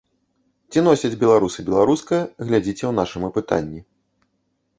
Ці носяць беларусы беларускае, глядзіце ў нашым апытанні.